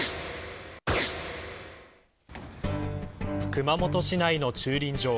熊本市内の駐輪場。